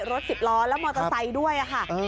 รถสิบล้อแล้วมอเตอร์ไซค์ด้วยค่ะ